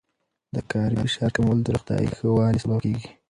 د کاري فشار کمول د روغتیا ښه والي سبب کېږي.